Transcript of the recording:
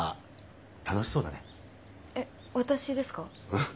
うん。